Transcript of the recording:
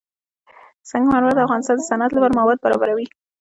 سنگ مرمر د افغانستان د صنعت لپاره مواد برابروي.